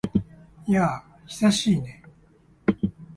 やあ、久しいね。